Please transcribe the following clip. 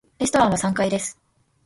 レストランは三階です。